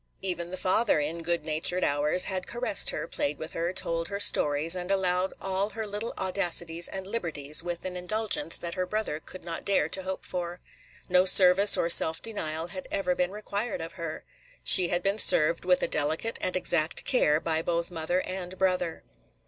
Even the father, in good natured hours, had caressed her, played with her, told her stories, and allowed all her little audacities and liberties with an indulgence that her brother could not dare to hope for. No service or self denial had ever been required of her. She had been served, with a delicate and exact care, by both mother and brother.